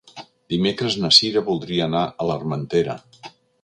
Dimecres na Cira voldria anar a l'Armentera.